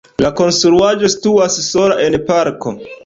La konstruaĵo situas sola en parko.